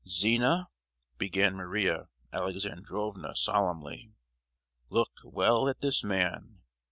"Zina," began Maria Alexandrovna, solemnly, "look well at this man!